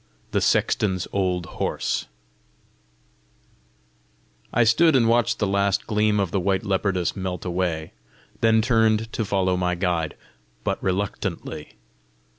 THE SEXTON'S OLD HORSE I stood and watched the last gleam of the white leopardess melt away, then turned to follow my guide but reluctantly.